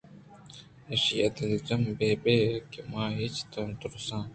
ایشیءَ دلجم بہ بئےکہ من اچ تو نہ تُرساں